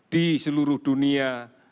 di seluruh dunia